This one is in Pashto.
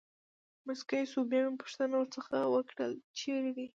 مسکی شو، بیا مې پوښتنه ورڅخه وکړل: چېرې دی.